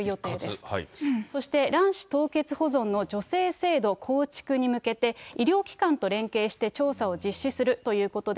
そして、卵子凍結保存の助成制度構築に向けて、医療機関と連携して調査を実施するということで、